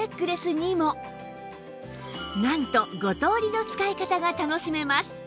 なんと５通りの使い方が楽しめます